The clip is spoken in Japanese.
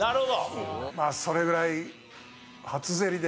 それぐらい。